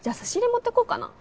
持ってこうかな